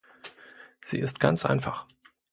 Sie ist ganz einfach.